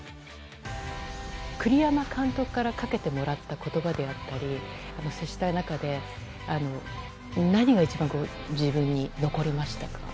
栗山監督からかけてもらった言葉であったり接した中で何が一番自分に残りましたか？